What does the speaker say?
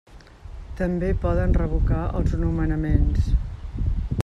També poden revocar els nomenaments.